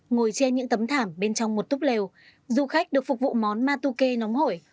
ngồi trên những tấm thảm bên trong một túp lều du khách được phục vụ món matuke nóng hổi